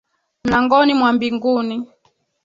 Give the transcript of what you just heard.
Mlangoni mwa mbinguni.